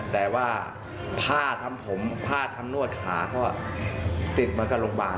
แต่ว่าผ้าทำผมผ้าทำนวดขาก็ติดมากับโรงพยาบาล